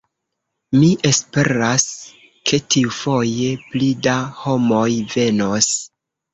Mi esperas ke tiufoje, pli da homoj venos.